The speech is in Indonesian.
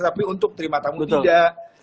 tapi untuk terima tamu tidak